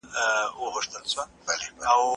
نه د چا په لویو خونو کي غټیږو